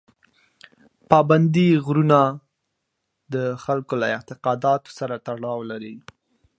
پابندي غرونه د خلکو له اعتقاداتو سره تړاو لري.